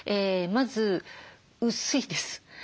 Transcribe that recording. まず薄いです。